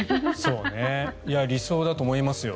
理想だと思いますよ。